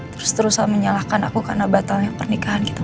terus terusan menyalahkan aku karena batalnya pernikahan gitu